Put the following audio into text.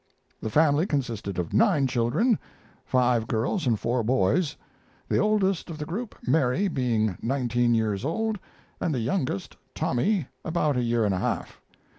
The family consisted of nine children five girls and four boys the oldest of the group, Mary, being nineteen years old, and the youngest, Tommy, about a year and a half.